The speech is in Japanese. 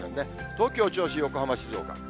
東京、銚子、横浜、静岡。